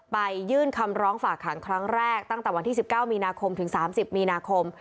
ยื่นคำร้องฝากขังครั้งแรกตั้งแต่วันที่๑๙มีนาคมถึง๓๐มีนาคม